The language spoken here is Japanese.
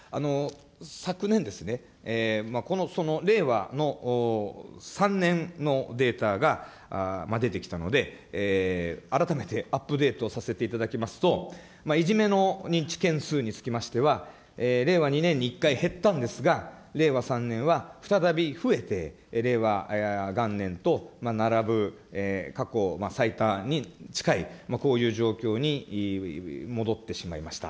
昨年、この令和の３年のデータが出てきたので、改めてアップデートさせていただきますと、いじめの認知件数につきましては、令和２年に１回減ったんですが、令和３年は再び増えて、令和元年と並ぶ過去最多に近い、こういう状況に戻ってしまいました。